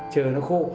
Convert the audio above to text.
chờ nó khô